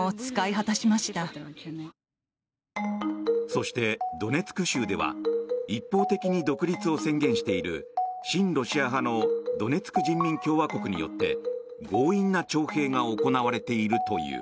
そして、ドネツク州では一方的に独立を宣言している親ロシア派のドネツク人民共和国によって強引な徴兵が行われているという。